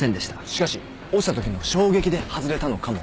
しかし落ちたときの衝撃で外れたのかも。